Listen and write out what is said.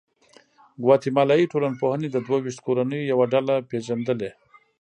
ګواتیمالایي ټولنپوهې د دوه ویشت کورنیو یوه ډله پېژندلې.